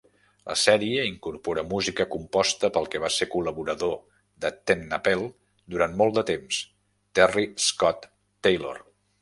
La sèrie incorpora música composta pel que va ser col·laborador de TenNapel durant molt de temps, Terry Scott Taylor.